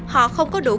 họ không có đủ